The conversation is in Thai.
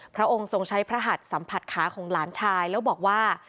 พระองค์ทรงใช้พระหัดสัมผัสขาของหลานชายแล้วบอกว่า